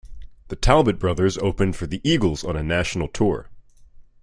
The Talbot brothers opened for The Eagles on a national tour.